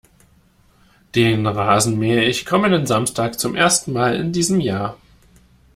Den Rasen mähe ich kommenden Samstag zum ersten Mal in diesem Jahr.